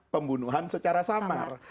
pembunuhan secara samar